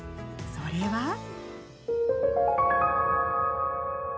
それは？